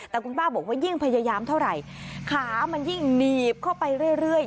แต่คุณป้าบอกว่ายิ่งพยายามเท่าไหร่ขามันยิ่งหนีบเข้าไปเรื่อย